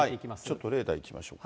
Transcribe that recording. ちょっとレーダーいきましょう。